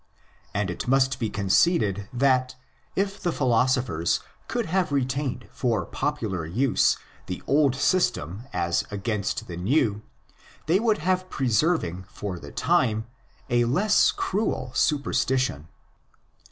And it must be conceded that, if the philosophers could have retained for popular use the old system as against the new, they would have been preserving for the time a less cruel superstition.